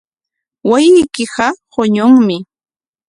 Wasiykiqa quñunmi.